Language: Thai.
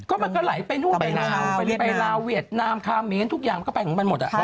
ก็มันก็ไหลไปทุกที่ไปลาวเวียดนามคาเมนทุกอย่างก็ไปของมันหมด